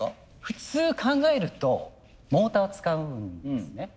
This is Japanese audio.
普通考えるとモーターを使うんですね。